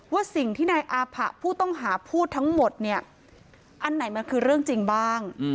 ว่าสิ่งที่นายอาผะผู้ต้องหาพูดทั้งหมดเนี่ยอันไหนมันคือเรื่องจริงบ้าง